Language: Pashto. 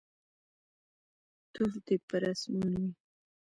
توف دي پر اسمان وي.